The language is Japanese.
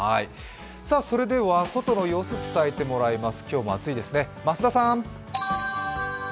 それでは、外の様子伝えてもらいます。